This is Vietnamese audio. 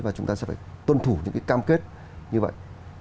và chúng ta sẽ phải tuân thủ những cái cam kết như vậy